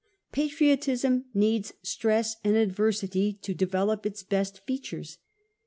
Patriotism needs stress and adversity to develop its best features.